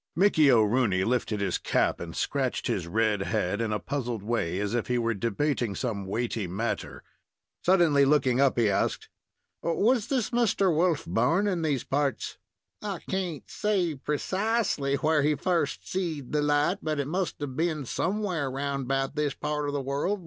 Mickey O'Rooney lifted his cap, and scratched his red head in a puzzled way, as if he were debating some weighty matter. Suddenly looking up, he asked: "Was this Mr. Wolf born in these parts?" "I can't say, precisely, where he first seed the light, but it must have been somewhere round about this part of the world.